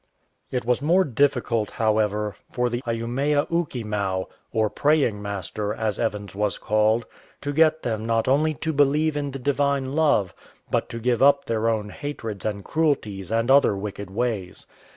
It was more difficult, however, for the Ayumeaoolcemoii\ or " praying master," as Evans was called, to get them not only to believe in the divine love, but to give up their own hatreds and cruelties and other wicked ways.